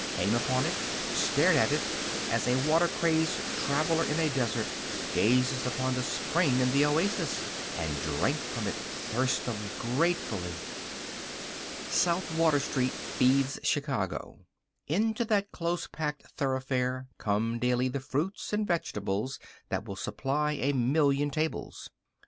Came upon it, stared at it as a water crazed traveler in a desert gazes upon the spring in the oasis, and drank from it, thirstily, gratefully. South Water Street feeds Chicago. Into that close packed thoroughfare come daily the fruits and vegetables that will supply a million tables.